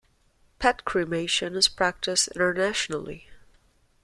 Pet cremation is practiced internationally.